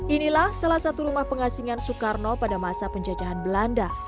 inilah salah satu rumah pengasingan soekarno pada masa penjajahan belanda